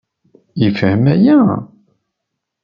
Yefhem aya?